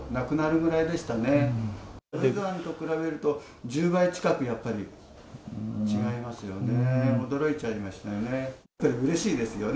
ふだんと比べると、１０倍近く、やっぱり違いますよね。